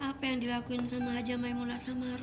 apa yang dilakuin sama haja mai mula sama lu